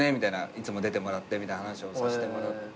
「いつも出てもらって」みたいな話をさしてもらって。